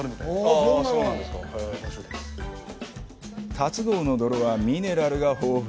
龍郷の泥はミネラルが豊富。